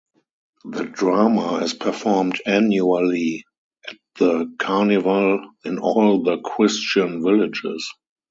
The drama is performed annually at the Carnival in all the Christian villages.